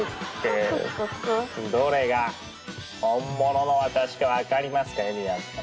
どれが本物の私か分かりますかゆりやんさん。